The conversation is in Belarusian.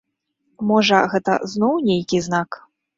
Можа, гэта зноў нейкі знак?